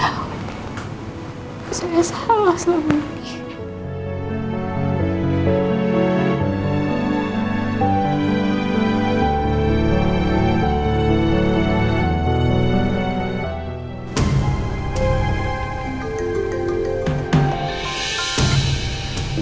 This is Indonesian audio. saya salah selama ini